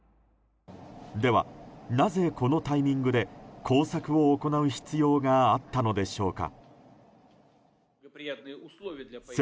では、なぜこのタイミングで工作を行う必要があったのでしょうか。